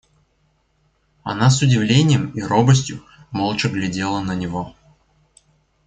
Она с удивлением и робостью молча глядела на него.